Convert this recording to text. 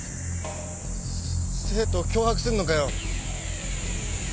生徒を脅迫すんのかよ。